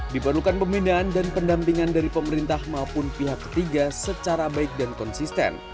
diperlukan pembinaan dan pendampingan dari pemerintah maupun pihak ketiga secara baik dan konsisten